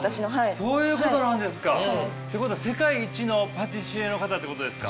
そういうことなんですか。ということは世界一のパティシエの方ってことですか？